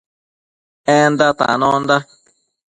Enda tanonda